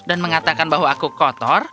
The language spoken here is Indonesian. dan mengatakan bahwa aku kotor